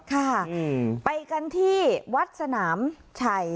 ค่ะไปกันที่วัดสนามชัย